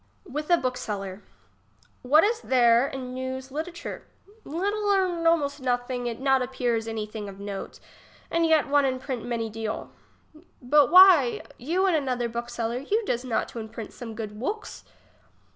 With a bookseller. What is there in new's litterature? Little or almost nothing, it not appears any thing of note. English as she is spoke. 45 And yet one imprint many deal. But wliy, you and another book seller, you does not to imprint some good wooks